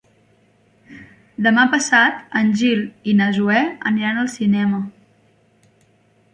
Demà passat en Gil i na Zoè aniran al cinema.